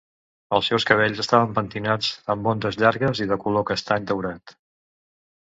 El seus cabells estaven pentinats amb ondes llargues i de color castany-daurat.